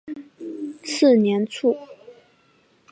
次年卒。